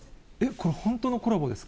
これ本当のコラボです